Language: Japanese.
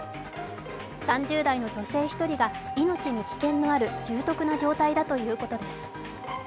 ３０代の女性１人が命に危険のある重篤な状態だということです。